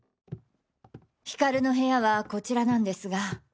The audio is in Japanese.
ヒカルの部屋はこちらなんですが。